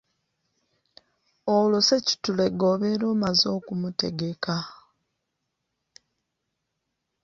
Olwo ssekitulege obeera omaze okumutegeka.